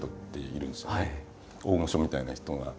大御所みたいな人が。